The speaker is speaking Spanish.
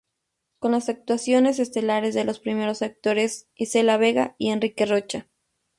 Con las actuaciones estelares de los primeros actores Isela Vega y Enrique Rocha.